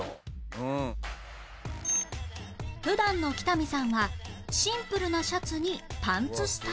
普段の北見さんはシンプルなシャツにパンツスタイル